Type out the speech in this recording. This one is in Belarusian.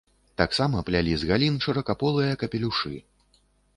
Таксама плялі з галін шыракаполыя капелюшы.